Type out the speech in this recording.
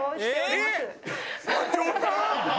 「えっ！」